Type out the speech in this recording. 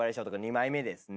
２枚目ですね。